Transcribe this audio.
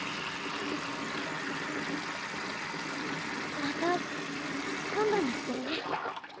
また今度にするね。